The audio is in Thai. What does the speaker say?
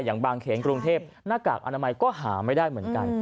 อย่างบางเขนกรุงเทพหน้ากากอนามัยก็หาไม่ได้เหมือนกัน